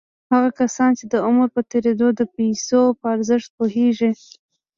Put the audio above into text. هغه کسان چې د عمر په تېرېدو د پيسو په ارزښت پوهېږي.